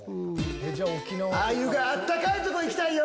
あゆが暖かいとこ行きたいよ。